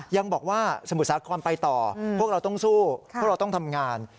ยังบอกว่าสมุทรสาครไปต่อพวกเราต้องสู้พวกเราต้องทำงาน